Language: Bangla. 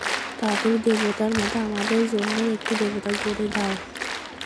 তাদের দেবতার মত আমাদের জন্যেও একটি দেবতা গড়ে দাও।